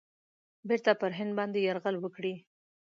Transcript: بیرته پر هند باندي یرغل وکړي.